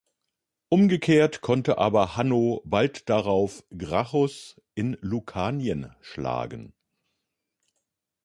Umgekehrt konnte aber Hanno bald darauf Gracchus in Lukanien schlagen.